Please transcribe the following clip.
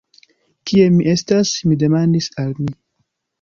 Kie mi estas? mi demandis al mi.